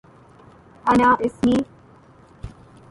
At the end of the song, John Lennon whispers Good night, Sean.